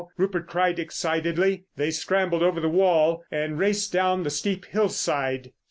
Rupert cried excitedly. They scrambled over the wall and raced down the steep hillside.